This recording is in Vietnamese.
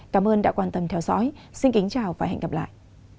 cảm ơn đã quan tâm theo dõi xin kính chào và hẹn gặp lại